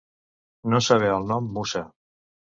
No saber el nom «musa».